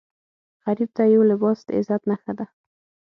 غریب ته یو لباس د عزت نښه ده